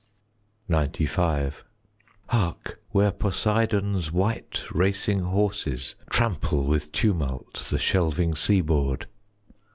XCV Hark, where Poseidon's White racing horses Trample with tumult The shelving seaboard!